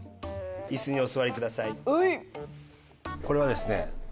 これはですね